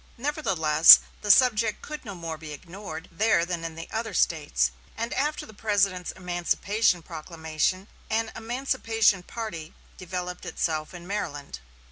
Nevertheless, the subject could no more be ignored there than in other States; and after the President's emancipation proclamation an emancipation party developed itself in Maryland.